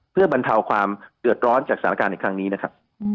เพื่อบรรเทาความเดือดร้อนจากสถานการณ์ในครั้งนี้นะครับ